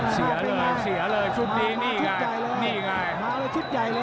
เสียเลยชุดนี้มีไกล